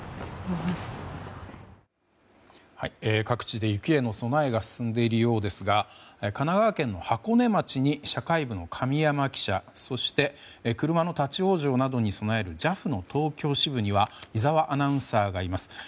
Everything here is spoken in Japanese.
各地で雪への備えが進んでいるようですが神奈川県の箱根町に社会部の神山記者そして車の立ち往生などに備えるＪＡＦの東京支部には井澤アナウンサーがいます。